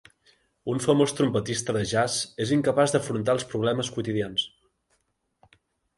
Un famós trompetista de jazz és incapaç d'afrontar els problemes quotidians.